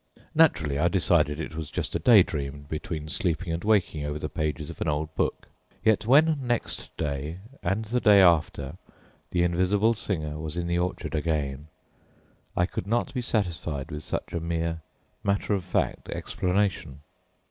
Naturally, I decided that it was just a day dream between sleeping and waking over the pages of an old book; yet when next day and the day after the invisible singer was in the orchard again, I could not be satisfied with such mere matter of fact explanation.